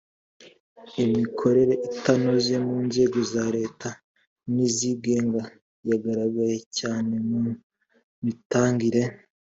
imikorere itanoze mu nzego za leta n izigenga yagaragaye cyane mu mitangire